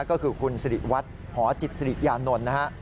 ก็คือคุณศรีวัฒน์หจิตศรียานนท์นะฮะ